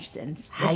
はい。